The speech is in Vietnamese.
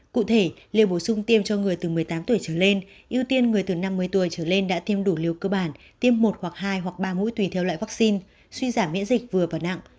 cụ thể liệu bổ sung tiêm cho người từ một mươi tám tuổi trở lên ưu tiên người từ năm mươi tuổi trở lên đã tiêm đủ liều cơ bản tiêm một hoặc hai hoặc ba mũi tùy theo loại vaccine suy giảm miễn dịch vừa và nặng